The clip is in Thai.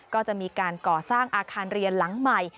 ก็จะมีการก่อสร้างอาคารเรียนหลังใหม่